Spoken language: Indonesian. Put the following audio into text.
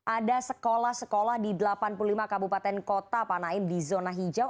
ada sekolah sekolah di delapan puluh lima kabupaten kota pak naim di zona hijau